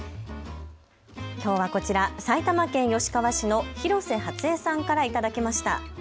きょうはこちら埼玉県吉川市の廣瀬初恵さんからいただきました。